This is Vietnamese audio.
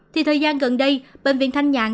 thì thời gian gần đây bệnh viện thanh nhàng